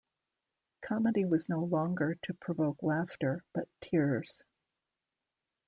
Comedy was no longer to provoke laughter, but tears.